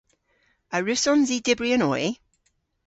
A wrussons i dybri an oy?